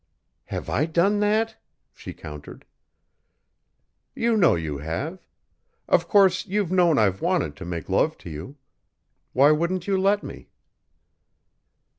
"Have I done that?" she countered. "You know you have. Of course you've known I wanted to make love to you. Why wouldn't you let me?"